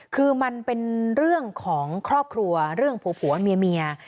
คือมันเป็นเรื่องของครอบครัวเรื่องผัวเมีย